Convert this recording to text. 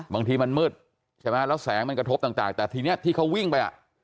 บางทีมันมืดใช่ไหมแล้วแสงมันกระทบต่างแต่ทีนี้ที่เขาวิ่งไปอ่ะ